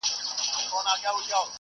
زه به سبا سفر وکړم؟!